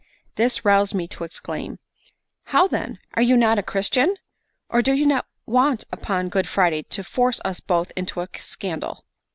This roused me to exclaim: "How then! are you not a Christian? or do you want upon Good Friday to force us both into a scandal?"